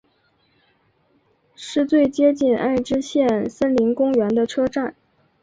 是最接近爱知县森林公园的车站。